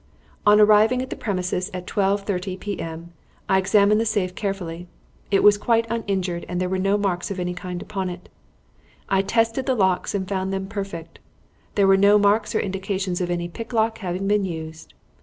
On arriving at the premises at 12.30 p.m., I examined the safe carefully. It was quite uninjured, and there were no marks of any kind upon it. I tested the locks and found them perfect; there were no marks or indications of any picklock having been used.